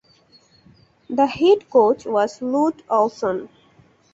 The head coach was Lute Olson.